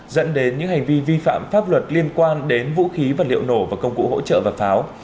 dẫn đến những hành vi vi phạm pháp luật liên quan đến vũ khí vật liệu nổ và công cụ hỗ trợ và pháo